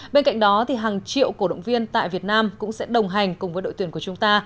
bên cạnh đó hàng triệu cổ động viên tại việt nam cũng sẽ đồng hành cùng với đội tuyển của chúng ta